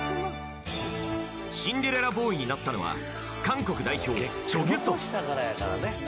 シンデレラボーイになったのは韓国代表、チョ・ギュソン。